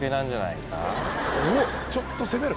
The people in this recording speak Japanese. ちょっと攻める。